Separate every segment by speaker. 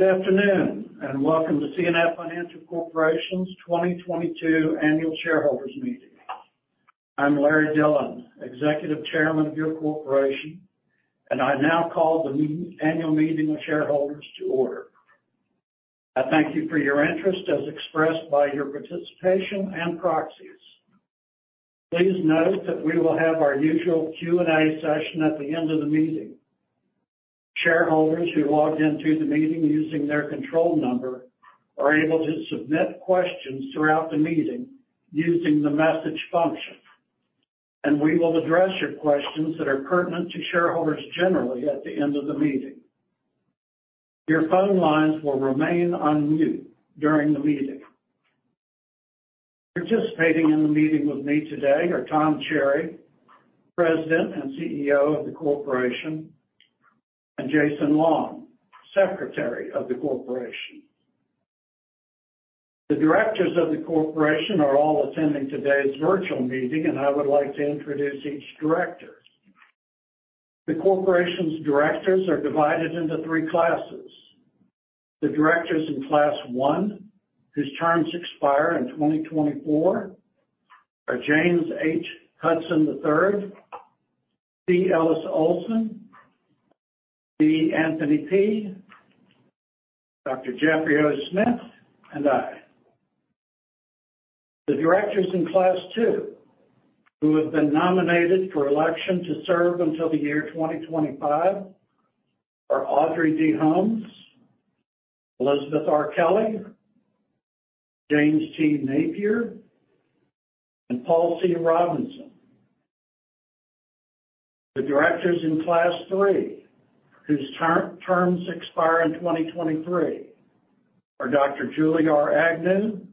Speaker 1: Good afternoon, and welcome to C&F Financial Corporation's 2022 Annual Shareholders Meeting. I'm Larry Dillon, Executive Chairman of your corporation, and I now call the annual meeting of shareholders to order. I thank you for your interest as expressed by your participation and proxies. Please note that we will have our usual Q&A session at the end of the meeting. Shareholders who logged into the meeting using their control number are able to submit questions throughout the meeting using the message function, and we will address your questions that are pertinent to shareholders generally at the end of the meeting. Your phone lines will remain on mute during the meeting. Participating in the meeting with me today are Tom Cherry, President and CEO of the corporation, and Jason Long, Secretary of the corporation. The directors of the corporation are all attending today's virtual meeting, and I would like to introduce each director. The corporation's directors are divided into three classes. The directors in class one, whose terms expire in 2024, are James H. Hudson III, C. Elis Olsson, D. Anthony Peay, Dr. Jeffry O. Smith, and I. The directors in class two, who have been nominated for election to serve until the year 2025, are Audrey D. Holmes, Elizabeth R. Kelley, James T. Napier, and Paul C. Robinson. The directors in class three, whose terms expire in 2023 are Dr. Julie R. Agnew,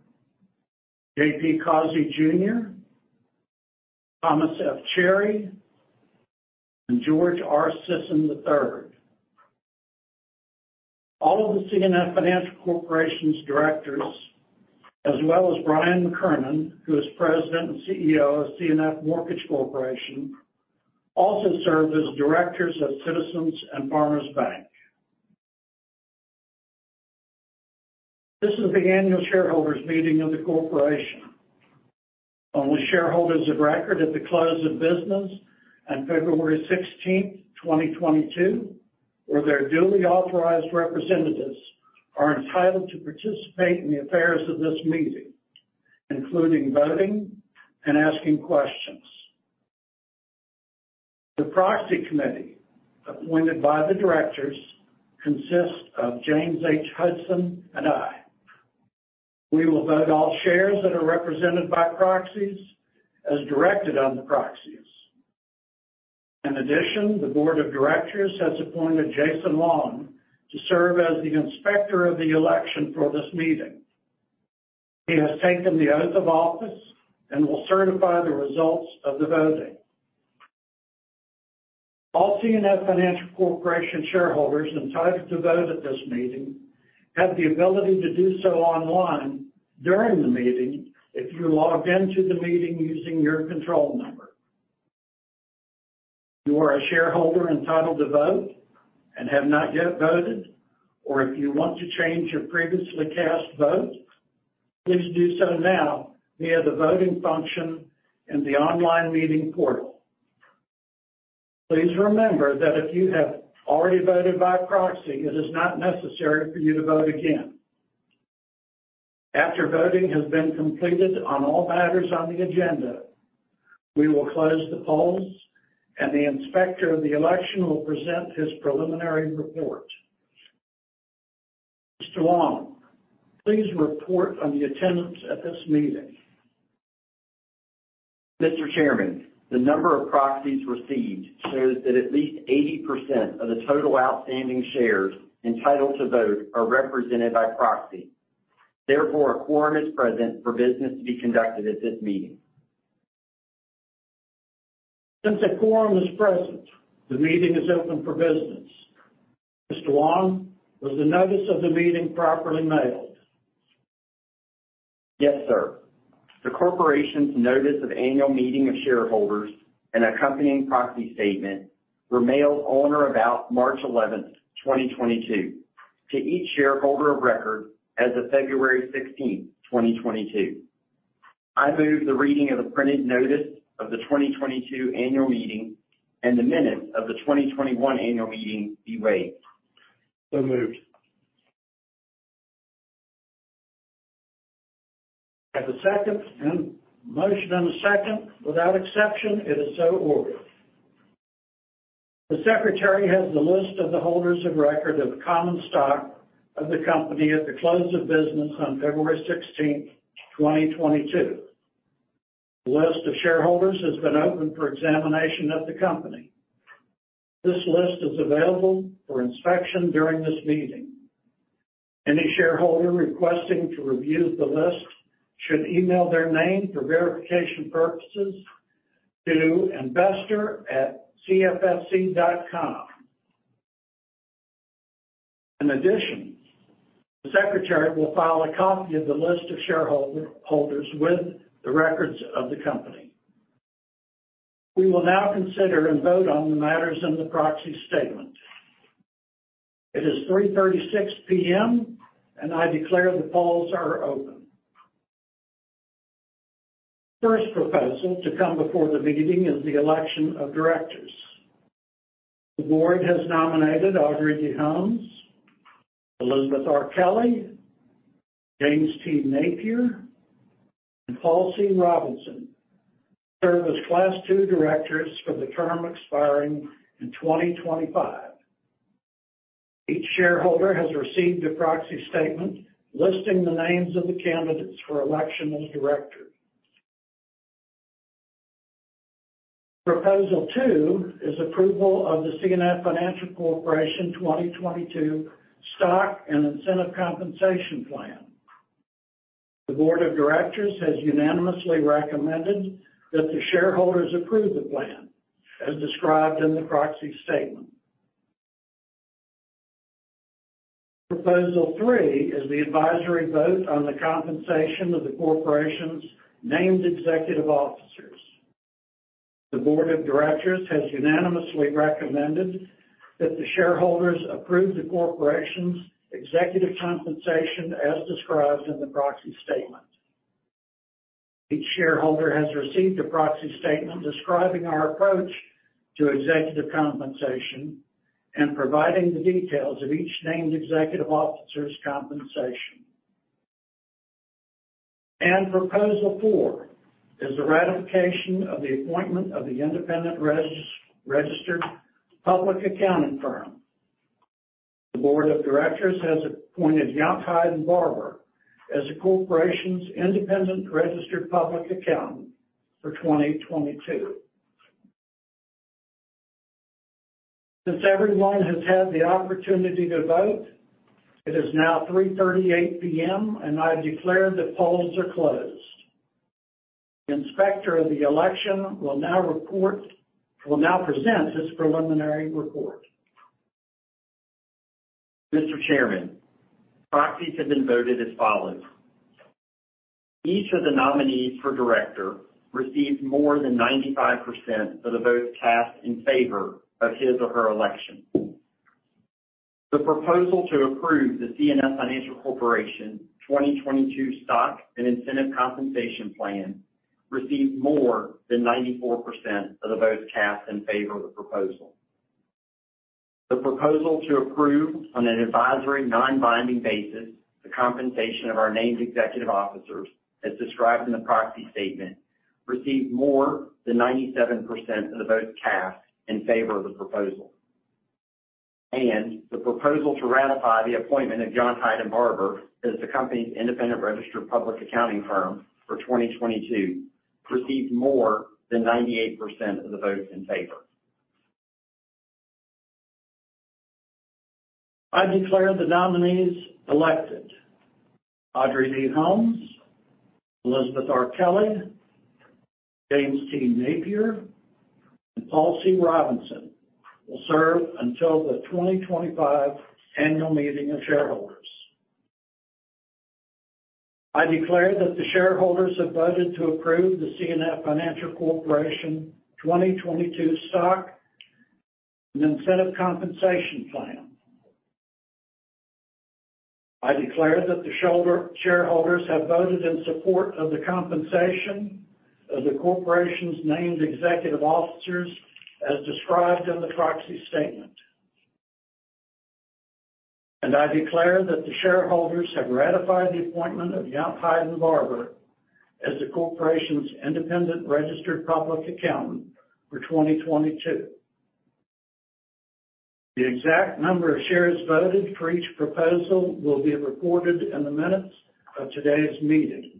Speaker 1: J.P. Causey Jr., Thomas F. Cherry, and George R. Sisson III. All of the C&F Financial Corporation's directors, as well as Bryan McKernan, who is President and CEO of C&F Mortgage Corporation, also serve as directors of Citizens and Farmers Bank. This is the annual shareholders meeting of the corporation. Only shareholders of record at the close of business on February 16, 2022, or their duly authorized representatives are entitled to participate in the affairs of this meeting, including voting and asking questions. The proxy committee appointed by the directors consists of James H. Hudson III and I. We will vote all shares that are represented by proxies as directed on the proxies. In addition, the board of directors has appointed Jason E. Long to serve as the inspector of the election for this meeting. He has taken the oath of office and will certify the results of the voting. All C&F Financial Corporation shareholders entitled to vote at this meeting have the ability to do so online during the meeting if you logged into the meeting using your control number. If you are a shareholder entitled to vote and have not yet voted, or if you want to change your previously cast vote, please do so now via the voting function in the online meeting portal. Please remember that if you have already voted by proxy, it is not necessary for you to vote again. After voting has been completed on all matters on the agenda, we will close the polls, and the inspector of the election will present his preliminary report. Mr. Long, please report on the attendance at this meeting.
Speaker 2: Mr. Chairman, the number of proxies received shows that at least 80% of the total outstanding shares entitled to vote are represented by proxy. Therefore, a quorum is present for business to be conducted at this meeting.
Speaker 1: Since a quorum is present, the meeting is open for business. Mr. Long, was the notice of the meeting properly mailed?
Speaker 2: Yes, sir. The corporation's notice of annual meeting of shareholders and accompanying proxy statement were mailed on or about March 11, 2022 to each shareholder of record as of February 16, 2022. I move the reading of the printed notice of the 2022 annual meeting and the minutes of the 2021 annual meeting be waived.
Speaker 1: Moved. Motion and a second. Without objection, it is so ordered. The Secretary has the list of the holders of record of common stock of the company at the close of business on February 16, 2022. The list of shareholders has been opened for examination at the company. This list is available for inspection during this meeting. Any shareholder requesting to review the list should email their name for verification purposes to investor@cffc.com. In addition, the Secretary will file a copy of the list of shareholders with the records of the company. We will now consider and vote on the matters in the proxy statement. It is 3:36PM, and I declare the polls are open. First proposal to come before the meeting is the election of directors. The board has nominated Audrey D. Holmes, Elizabeth R. Kelley, James T. Napier, and Paul C. Robinson to serve as class two directors for the term expiring in 2025. Each shareholder has received a proxy statement listing the names of the candidates for election as directors. Proposal 2 is approval of the C&F Financial Corporation 2022 Stock and Incentive Compensation Plan. The board of directors has unanimously recommended that the shareholders approve the plan as described in the proxy statement. Proposal 3 is the advisory vote on the compensation of the corporation's named executive officers. The board of directors has unanimously recommended that the shareholders approve the corporation's executive compensation as described in the proxy statement. Each shareholder has received a proxy statement describing our approach to executive compensation and providing the details of each named executive officer's compensation. Proposal 4 is the ratification of the appointment of the independent registered public accounting firm. The Board of Directors has appointed Yount, Hyde & Barbour as the corporation's independent registered public accountant for 2022. Since everyone has had the opportunity to vote, it is now 3:38PM, and I declare the polls are closed. The inspector of the election will now present his preliminary report.
Speaker 2: Mr. Chairman, proxies have been voted as follows. Each of the nominees for director received more than 95% of the votes cast in favor of his or her election. The proposal to approve the C&F Financial Corporation 2022 Stock and Incentive Compensation Plan received more than 94% of the votes cast in favor of the proposal. The proposal to approve on an advisory non-binding basis the compensation of our named executive officers as described in the proxy statement received more than 97% of the votes cast in favor of the proposal. The proposal to ratify the appointment of Yount, Hyde & Barbour as the company's independent registered public accounting firm for 2022 received more than 98% of the votes in favor.
Speaker 1: I declare the nominees elected. Audrey D. Holmes, Elizabeth R. Kelley, James T. Napier, and Paul C. Robinson will serve until the 2025 annual meeting of shareholders. I declare that the shareholders have voted to approve the C&F Financial Corporation 2022 Stock and Incentive Compensation Plan. I declare that the shareholders have voted in support of the compensation of the corporation's named executive officers as described in the proxy statement. I declare that the shareholders have ratified the appointment of Yount, Hyde & Barbour as the corporation's independent registered public accountant for 2022. The exact number of shares voted for each proposal will be recorded in the minutes of today's meeting.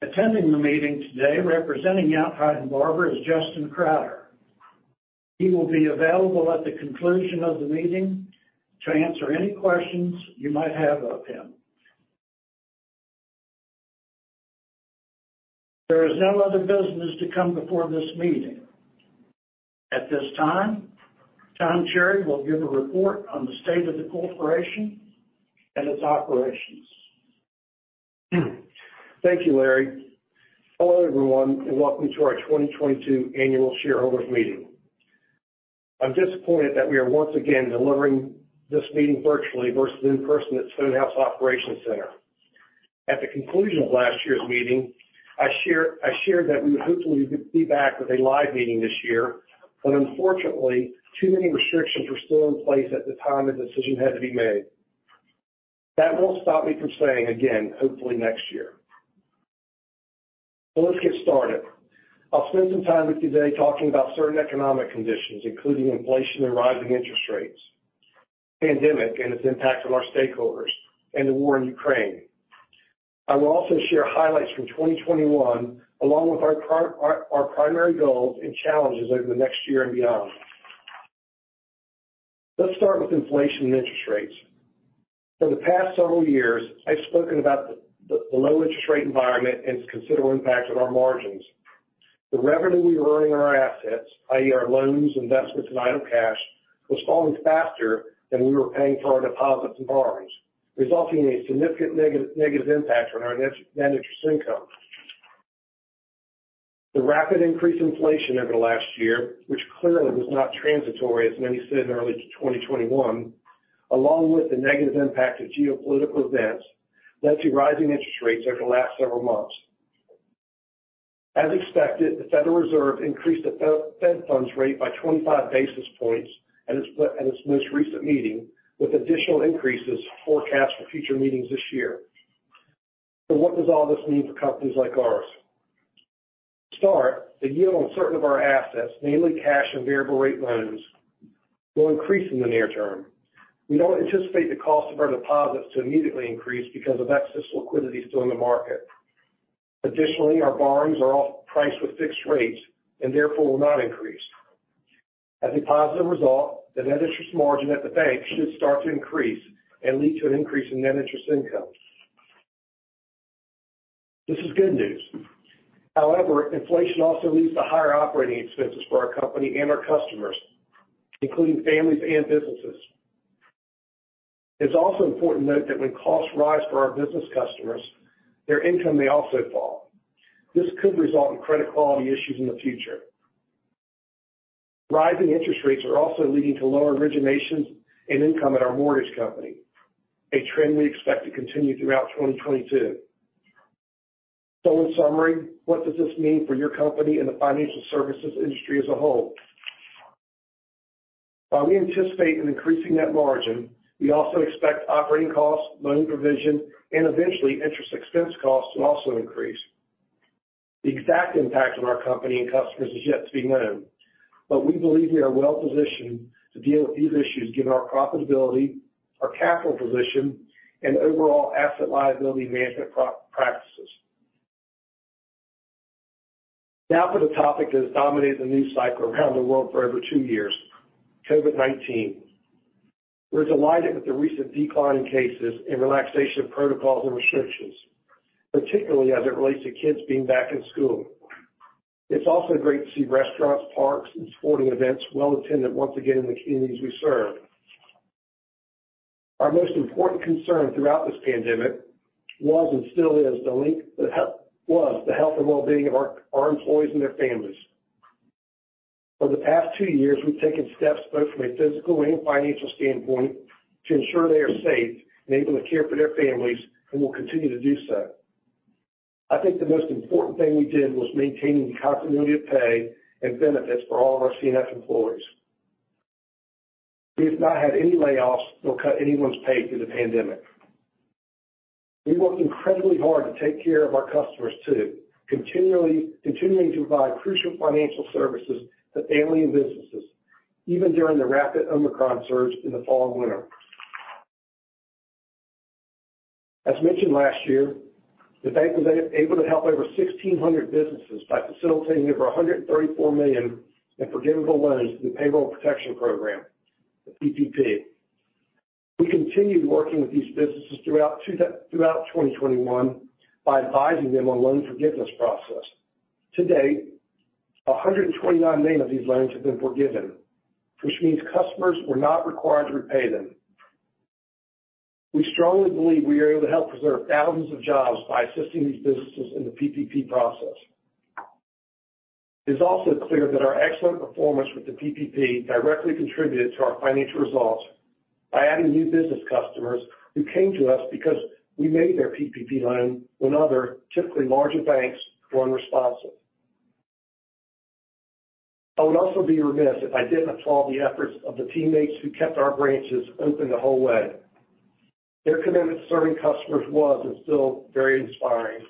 Speaker 1: Attending the meeting today representing Yount, Hyde & Barbour is Justin Crowder. He will be available at the conclusion of the meeting to answer any questions you might have of him. There is no other business to come before this meeting. At this time, Tom Cherry will give a report on the state of the corporation and its operations.
Speaker 3: Thank you, Larry. Hello, everyone, and welcome to our 2022 annual shareholders meeting. I'm disappointed that we are once again delivering this meeting virtually versus in person at Stonehouse Operations Center. At the conclusion of last year's meeting, I shared that we would hopefully be back with a live meeting this year, but unfortunately, too many restrictions were still in place at the time the decision had to be made. That won't stop me from saying again, hopefully next year. Let's get started. I'll spend some time with you today talking about certain economic conditions, including inflation and rising interest rates, the pandemic and its impact on our stakeholders, and the war in Ukraine. I will also share highlights from 2021 along with our primary goals and challenges over the next year and beyond. Let's start with inflation and interest rates. For the past several years, I've spoken about the low interest rate environment and its considerable impact on our margins. The revenue we earn on our assets, i.e., our loans, investments, and other cash was falling faster than we were paying for our deposits and borrowings, resulting in a significant negative impact on our net interest income. The rapid increase in inflation over the last year, which clearly was not transitory as many said in early 2021, along with the negative impact of geopolitical events, led to rising interest rates over the last several months. As expected, the Federal Reserve increased the federal funds rate by 25 basis points at its most recent meeting, with additional increases forecast for future meetings this year. What does all this mean for companies like ours? To start, the yield on certain of our assets, mainly cash and variable rate loans, will increase in the near term. We don't anticipate the cost of our deposits to immediately increase because of excess liquidity still in the market. Additionally, our borrowings are all priced with fixed rates and therefore will not increase. As a positive result, the net interest margin at the bank should start to increase and lead to an increase in net interest income. This is good news. However, inflation also leads to higher operating expenses for our company and our customers, including families and businesses. It's also important to note that when costs rise for our business customers, their income may also fall. This could result in credit quality issues in the future. Rising interest rates are also leading to lower originations and income at our mortgage company, a trend we expect to continue throughout 2022. In summary, what does this mean for your company and the financial services industry as a whole? While we anticipate an increasing net margin, we also expect operating costs, loan provision, and eventually interest expense costs to also increase. The exact impact on our company and customers is yet to be known, but we believe we are well-positioned to deal with these issues given our profitability, our capital position, and overall asset liability management practices. Now for the topic that has dominated the news cycle around the world for over 2 years, COVID-19. We're delighted with the recent decline in cases and relaxation of protocols and restrictions, particularly as it relates to kids being back in school. It's also great to see restaurants, parks, and sporting events well-attended once again in the communities we serve. Our most important concern throughout this pandemic was, and still is, the health and well-being of our employees and their families. For the past two years, we've taken steps both from a physical and financial standpoint to ensure they are safe and able to care for their families, and will continue to do so. I think the most important thing we did was maintaining the continuity of pay and benefits for all of our C&F employees. We have not had any layoffs or cut anyone's pay through the pandemic. We worked incredibly hard to take care of our customers too, continuing to provide crucial financial services to families and businesses, even during the rapid Omicron surge in the fall and winter. As mentioned last year, the bank was able to help over 1,600 businesses by facilitating over $134 million in forgivable loans through the Paycheck Protection Program, the PPP. We continued working with these businesses throughout 2021 by advising them on loan forgiveness process. To date, $129 million of these loans have been forgiven, which means customers were not required to repay them. We strongly believe we are able to help preserve thousands of jobs by assisting these businesses in the PPP process. It's also clear that our excellent performance with the PPP directly contributed to our financial results by adding new business customers who came to us because we made their PPP loan when other, typically larger banks, were unresponsive. I would also be remiss if I didn't applaud the efforts of the teammates who kept our branches open the whole way. Their commitment to serving customers was and still very inspiring.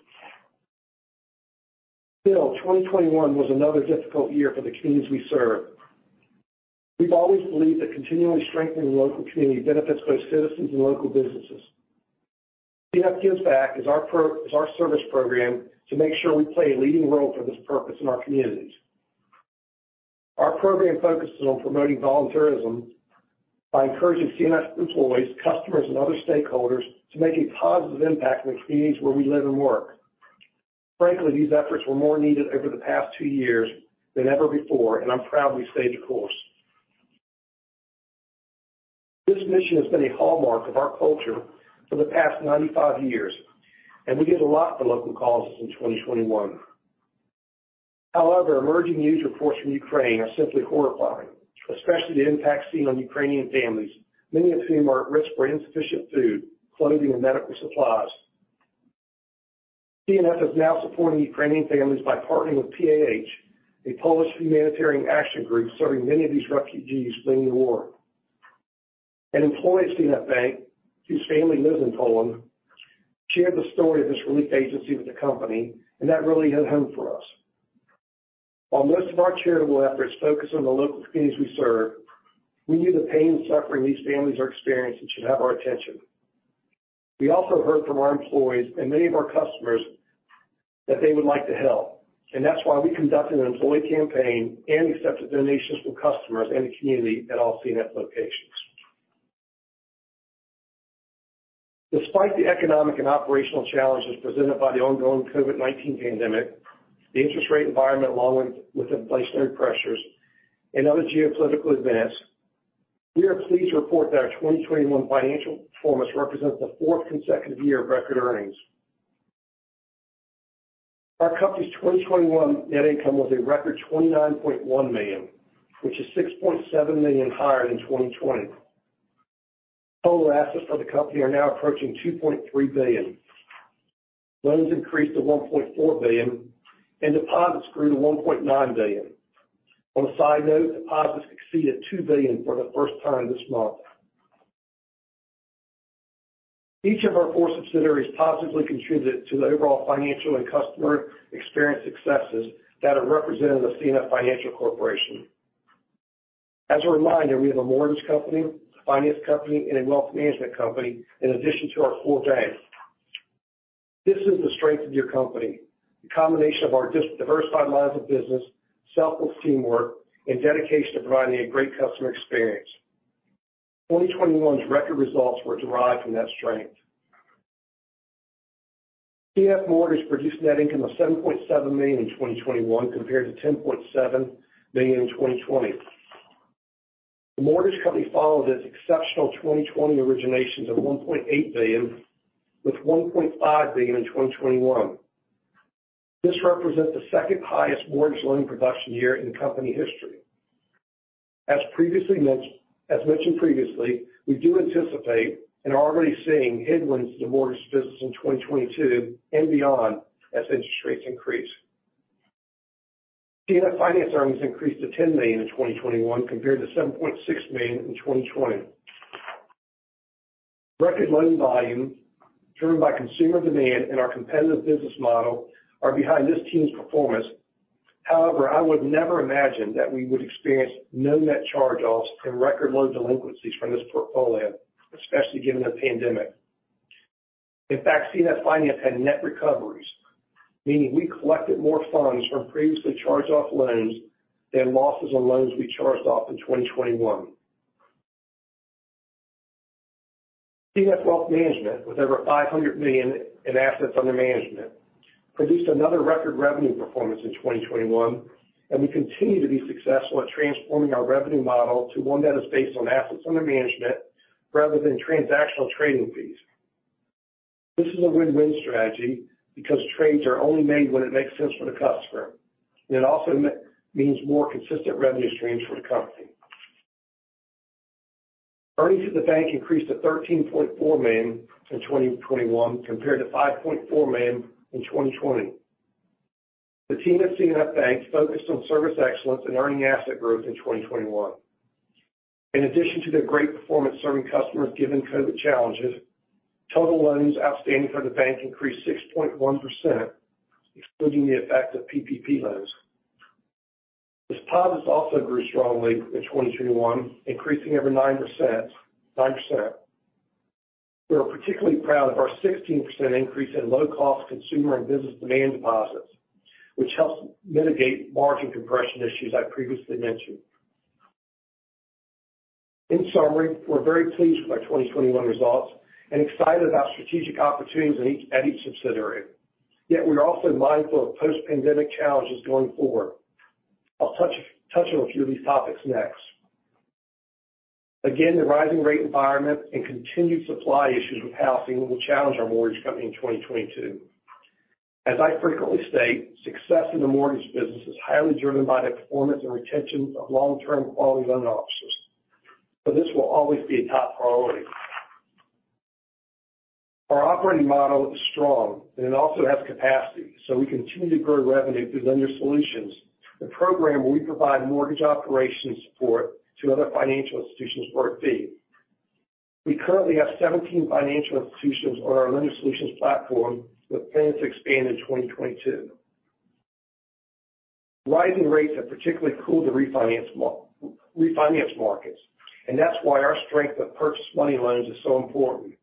Speaker 3: Still, 2021 was another difficult year for the communities we serve. We've always believed that continually strengthening local community benefits both citizens and local businesses. C&F Gives Back is our service program to make sure we play a leading role for this purpose in our communities. Our program focuses on promoting volunteerism by encouraging C&F employees, customers, and other stakeholders to make a positive impact in the communities where we live and work. Frankly, these efforts were more needed over the past two years than ever before, and I'm proud we stayed the course. This mission has been a hallmark of our culture for the past 95 years, and we did a lot for local causes in 2021. However, emerging news reports from Ukraine are simply horrifying, especially the impact seen on Ukrainian families, many of whom are at risk for insufficient food, clothing, and medical supplies. C&F is now supporting Ukrainian families by partnering with PAH, a Polish humanitarian action group serving many of these refugees fleeing the war. An employee at C&F Bank, whose family lives in Poland, shared the story of this relief agency with the company, and that really hit home for us. While most of our charitable efforts focus on the local communities we serve, we knew the pain and suffering these families are experiencing should have our attention. We also heard from our employees and many of our customers that they would like to help, and that's why we conducted an employee campaign and accepted donations from customers and the community at all C&F locations. Despite the economic and operational challenges presented by the ongoing COVID-19 pandemic, the interest rate environment along with inflationary pressures and other geopolitical events, we are pleased to report that our 2021 financial performance represents the fourth consecutive year of record earnings. Our company's 2021 net income was a record $29.1 million, which is $6.7 million higher than 2020. Total assets for the company are now approaching $2.3 billion. Loans increased to $1.4 billion and deposits grew to $1.9 billion. On a side note, deposits exceeded $2 billion for the first time this month. Each of our four subsidiaries positively contributed to the overall financial and customer experience successes that have represented the C&F Financial Corporation. As a reminder, we have a mortgage company, a finance company, and a wealth management company, in addition to our full bank. This is the strength of your company, the combination of our diversified lines of business, selfless teamwork, and dedication to providing a great customer experience. 2021's record results were derived from that strength. C&F Mortgage produced net income of $7.7 million in 2021, compared to $10.7 million in 2020. The mortgage company followed its exceptional 2020 originations of $1.8 billion with $1.5 billion in 2021. This represents the second-highest mortgage loan production year in company history. As mentioned previously, we do anticipate and are already seeing headwinds to the mortgage business in 2022 and beyond as interest rates increase. C&F Finance earnings increased to $10 million in 2021 compared to $7.6 million in 2020. Record loan volumes driven by consumer demand and our competitive business model are behind this team's performance. However, I would never imagine that we would experience no net charge-offs and record low delinquencies from this portfolio, especially given the pandemic. In fact, C&F Finance had net recoveries, meaning we collected more funds from previously charged-off loans than losses on loans we charged off in 2021. C&F Wealth Management, with over $500 million in assets under management, produced another record revenue performance in 2021, and we continue to be successful at transforming our revenue model to one that is based on assets under management rather than transactional trading fees. This is a win-win strategy because trades are only made when it makes sense for the customer. It also means more consistent revenue streams for the company. Earnings at the bank increased to $13.4 million in 2021 compared to $5.4 million in 2020. The team at C&F Bank focused on service excellence and earning asset growth in 2021. In addition to their great performance serving customers given COVID challenges, total loans outstanding for the bank increased 6.1%, excluding the effect of PPP loans. Deposits also grew strongly in 2021, increasing over 9%. We are particularly proud of our 16% increase in low-cost consumer and business demand deposits, which helps mitigate margin compression issues I previously mentioned. In summary, we're very pleased with our 2021 results and excited about strategic opportunities at each subsidiary. Yet, we are also mindful of post-pandemic challenges going forward. I'll touch on a few of these topics next. Again, the rising rate environment and continued supply issues with housing will challenge our mortgage company in 2022. As I frequently state, success in the mortgage business is highly driven by the performance and retention of long-term quality loan officers. So this will always be a top priority. Our operating model is strong and it also has capacity, so we continue to grow revenue through Lender Solutions, a program where we provide mortgage operations support to other financial institutions for a fee. We currently have 17 financial institutions on our Lender Solutions platform, with plans to expand in 2022. Rising rates have particularly cooled the refinance markets, and that's why our strength of purchase money loans is so important.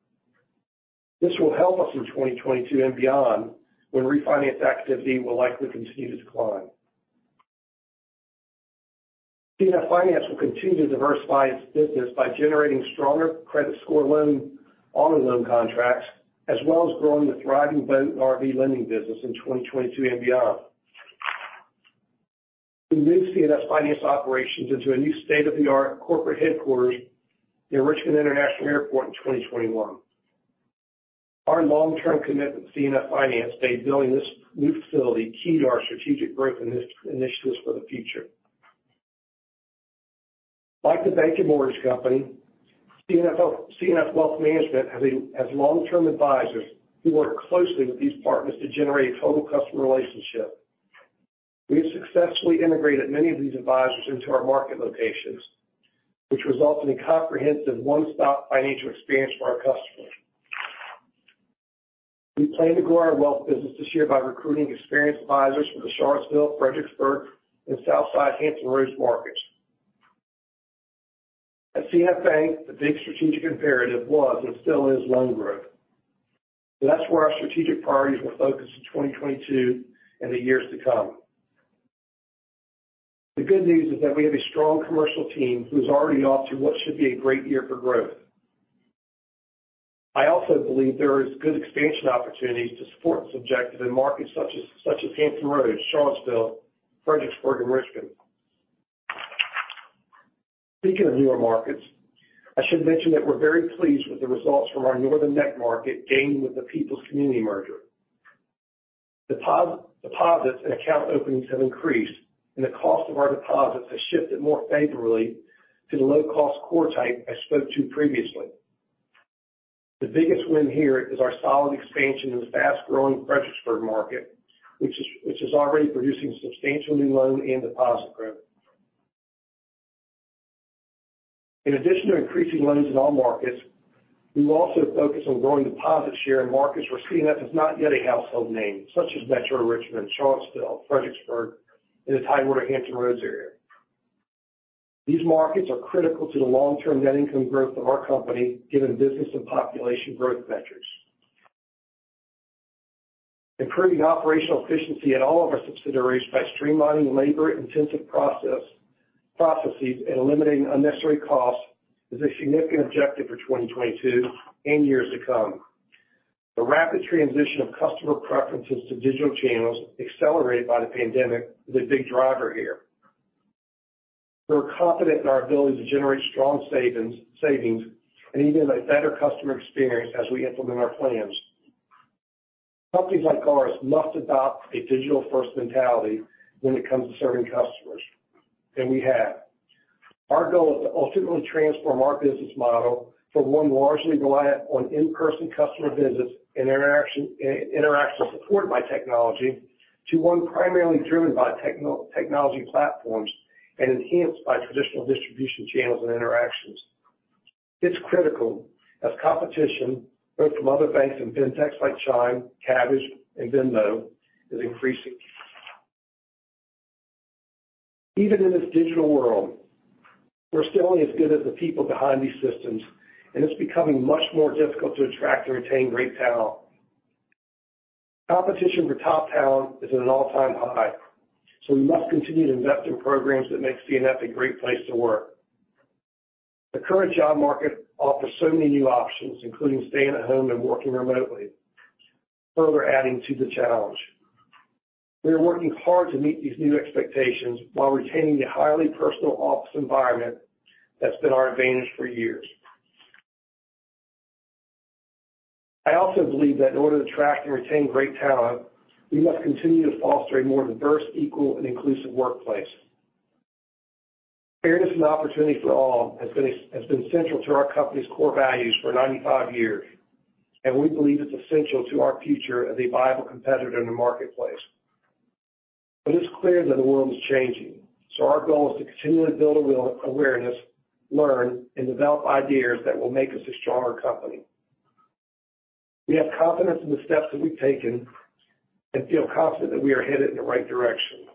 Speaker 3: This will help us in 2022 and beyond when refinance activity will likely continue to decline. C&F Finance will continue to diversify its business by generating stronger credit score loan, auto loan contracts, as well as growing the thriving boat and RV lending business in 2022 and beyond. We moved C&F Finance operations into a new state-of-the-art corporate headquarters near Richmond International Airport in 2021. Our long-term commitment to C&F Finance made building this new facility key to our strategic growth initiatives for the future. Like the bank and mortgage company, C&F Wealth Management has long-term advisors who work closely with these partners to generate a total customer relationship. We have successfully integrated many of these advisors into our market locations, which results in a comprehensive one-stop financial experience for our customers. We plan to grow our wealth business this year by recruiting experienced advisors from the Charlottesville, Fredericksburg, and Southside Hampton Roads markets. At C&F Bank, the big strategic imperative was and still is loan growth. That's where our strategic priorities will focus in 2022 and the years to come. The good news is that we have a strong commercial team who's already off to what should be a great year for growth. I also believe there is good expansion opportunities to support this objective in markets such as Hampton Roads, Charlottesville, Fredericksburg, and Richmond. Speaking of newer markets, I should mention that we're very pleased with the results from our Northern Neck market gained with the Peoples Community Bank merger. Deposits and account openings have increased, and the cost of our deposits has shifted more favorably to the low-cost core type I spoke to previously. The biggest win here is our solid expansion in the fast-growing Fredericksburg market, which is already producing substantial new loan and deposit growth. In addition to increasing loans in all markets, we will also focus on growing deposit share in markets where C&F is not yet a household name, such as Metro Richmond, Charlottesville, Fredericksburg, and the Tidewater Hampton Roads area. These markets are critical to the long-term net income growth of our company, given business and population growth metrics. Improving operational efficiency in all of our subsidiaries by streamlining labor-intensive processes and eliminating unnecessary costs is a significant objective for 2022 and years to come. The rapid transition of customer preferences to digital channels accelerated by the pandemic is a big driver here. We're confident in our ability to generate strong savings and even a better customer experience as we implement our plans. Companies like ours must adopt a digital-first mentality when it comes to serving customers, and we have. Our goal is to ultimately transform our business model from one largely reliant on in-person customer visits and interaction supported by technology to one primarily driven by technology platforms and enhanced by traditional distribution channels and interactions. It's critical as competition, both from other banks and fintechs like Chime, Kabbage, and Venmo is increasing. Even in this digital world, we're still only as good as the people behind these systems, and it's becoming much more difficult to attract and retain great talent. Competition for top talent is at an all-time high, so we must continue to invest in programs that make C&F a great place to work. The current job market offers so many new options, including staying at home and working remotely, further adding to the challenge. We are working hard to meet these new expectations while retaining the highly personal office environment that's been our advantage for years. I also believe that in order to attract and retain great talent, we must continue to foster a more diverse, equal, and inclusive workplace. Fairness and opportunity for all has been central to our company's core values for 95 years, and we believe it's essential to our future as a viable competitor in the marketplace. It's clear that the world is changing, so our goal is to continually build awareness, learn, and develop ideas that will make us a stronger company. We have confidence in the steps that we've taken and feel confident that we are headed in the right direction.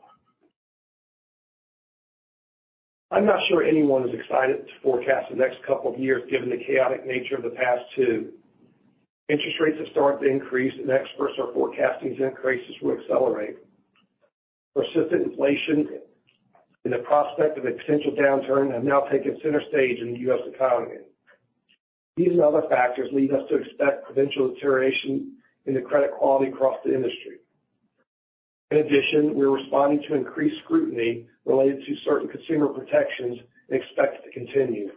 Speaker 3: I'm not sure anyone is excited to forecast the next couple of years given the chaotic nature of the past two. Interest rates have started to increase, and experts are forecasting these increases will accelerate. Persistent inflation and the prospect of a potential downturn have now taken center stage in the US economy. These and other factors lead us to expect potential deterioration in the credit quality across the industry. In addition, we are responding to increased scrutiny related to certain consumer protections and expect it to continue.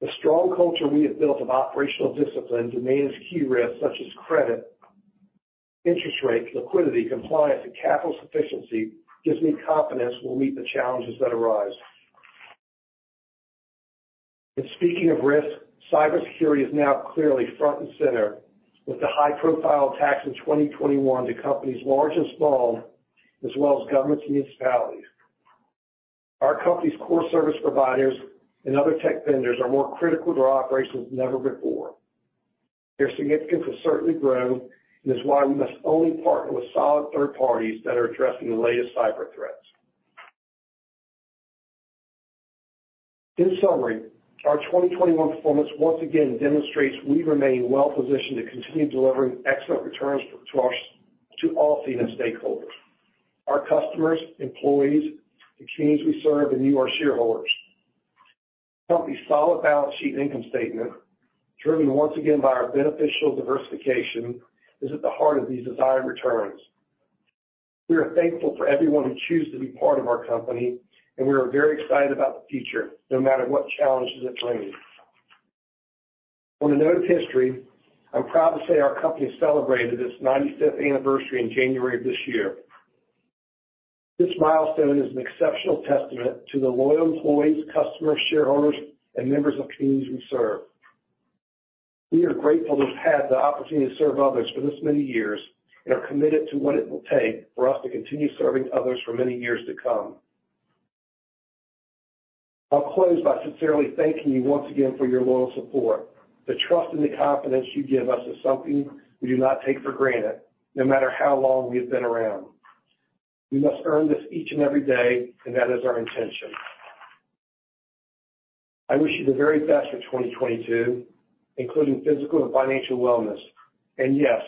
Speaker 3: The strong culture we have built of operational discipline to manage key risks such as credit, interest rates, liquidity, compliance, and capital sufficiency gives me confidence we'll meet the challenges that arise. Speaking of risk, cybersecurity is now clearly front and center with the high-profile attacks in 2021 to companies large and small, as well as governments and municipalities. Our company's core service providers and other tech vendors are more critical to our operations than ever before. Their significance has certainly grown and is why we must only partner with solid third parties that are addressing the latest cyber threats. In summary, our 2021 performance once again demonstrates we remain well positioned to continue delivering excellent returns to all C&F stakeholders, our customers, employees, the communities we serve, and you, our shareholders. The company's solid balance sheet and income statement, driven once again by our beneficial diversification, is at the heart of these desired returns. We are thankful for everyone who choose to be part of our company, and we are very excited about the future, no matter what challenges it brings. On a note of history, I'm proud to say our company celebrated its 95th anniversary in January of this year. This milestone is an exceptional testament to the loyal employees, customers, shareholders, and members of communities we serve. We are grateful to have had the opportunity to serve others for this many years and are committed to what it will take for us to continue serving others for many years to come. I'll close by sincerely thanking you once again for your loyal support. The trust and the confidence you give us is something we do not take for granted, no matter how long we have been around. We must earn this each and every day, and that is our intention. I wish you the very best for 2022, including physical and financial wellness. Yes,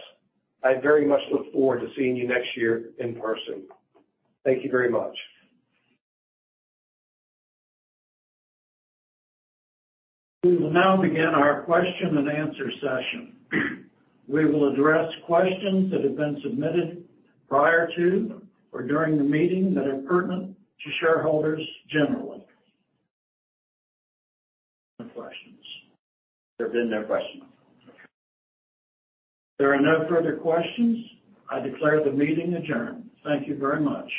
Speaker 3: I very much look forward to seeing you next year in person. Thank you very much.
Speaker 1: We will now begin our question and answer session. We will address questions that have been submitted prior to or during the meeting that are pertinent to shareholders generally. Questions.
Speaker 3: There have been no questions.
Speaker 1: There are no further questions. I declare the meeting adjourned. Thank you very much.